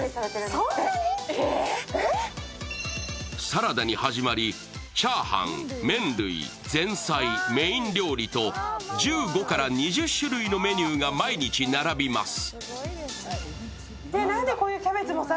サラダに始まり、チャーハン、麺類、メイン料理と１５から２０種類のメニューが毎日並びます。